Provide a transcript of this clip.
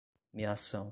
meação